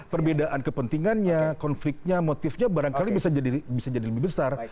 perbedaan kepentingannya konfliknya motifnya barangkali bisa jadi lebih besar